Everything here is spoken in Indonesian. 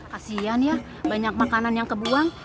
kasian ya banyak makanan yang kebuang